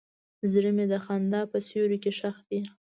زړه مې د خندا په سیوري کې ښخ دی.